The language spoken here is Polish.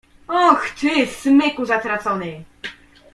"Och ty, smyku zatracony!"